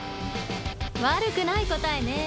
悪くない答えね。